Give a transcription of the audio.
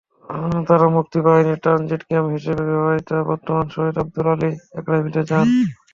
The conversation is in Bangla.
তাঁরা মুক্তিবাহিনীর ট্রানজিট ক্যাম্প হিসেবে ব্যবহৃত বর্তমান শহীদ আবদুল আলী একাডেমিতে যান।